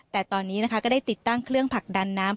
แต่ตอนนี้นะคะก็ได้ติดตั้งเครื่องผลักดันน้ำ